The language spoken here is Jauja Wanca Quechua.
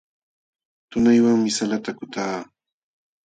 Tunaywanmi salata kutaa.